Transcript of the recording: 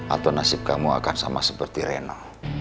atau nasib kamu akan sama seperti rena